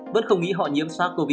vẫn không nghĩ họ nhiễm sars cov hai